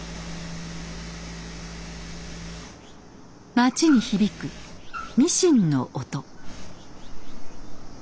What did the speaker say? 町に響くミシンの音。